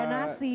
gak ada nasi